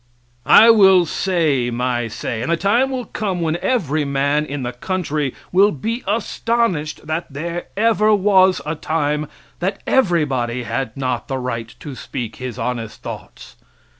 I will say my say, and the time will come when every man in the country will be astonished that there ever was a time that everybody had not the right to speak his honest thoughts.